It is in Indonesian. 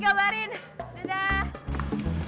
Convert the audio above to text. yaudah kalo gitu yuk kita ke mobil